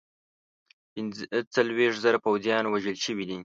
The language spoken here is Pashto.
پنځه څلوېښت زره پوځیان وژل شوي دي.